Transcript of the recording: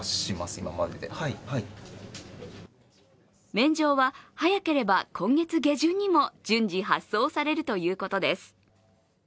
免状は早ければ今月下旬にも順次発送されるということです。